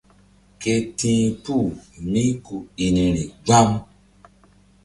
Ké ti̧h puh mí ku i niri gbam.